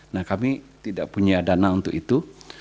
nah kami tidak punya dana untuk itu